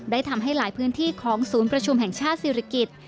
ทำให้หลายพื้นที่ของศูนย์ประชุมแห่งชาติศิริกิจ